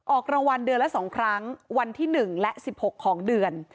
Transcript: ออกรางวัลเดือนละสองครั้งวันที่หนึ่งและสิบหกของเดือน